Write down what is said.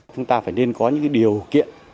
chúng ta phải nên có những điều kiện